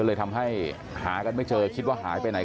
เลยทำให้หากันไม่เจอคิดว่าหายไปไหน